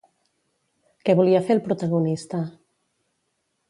Què volia fer el protagonista?